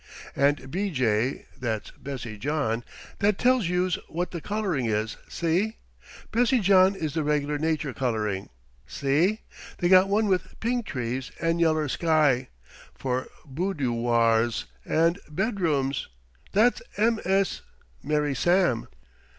And B J that's Bessie John that tells youse what the coloring is, see? Bessie John is the regular nature coloring, see? They got one with pink trees and yeller sky, for bood u wars and bedrooms. That's M S Mary Sam."